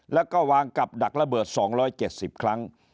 แล้วก็วางกับดักระเบิด๒๗๐ครั้ง